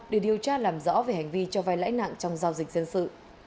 để điều tra làm rõ về hành vi cho vai lãi nặng trong giao dịch dân sự